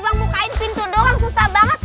ibang bukain pintu doang susah banget